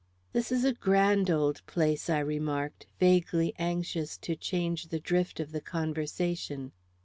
"This is a grand old place," I remarked, vaguely anxious to change the drift of the conversation.